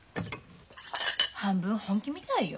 半分本気みたいよ。